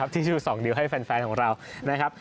ที่ชื่อสองนิ้วให้แฟนของเรานะครับ